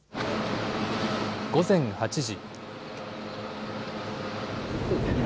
午前８時。